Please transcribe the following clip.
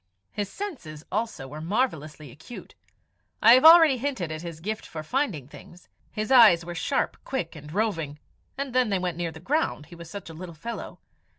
His senses also were marvellously acute. I have already hinted at his gift for finding things. His eyes were sharp, quick, and roving, and then they went near the ground he was such a little fellow.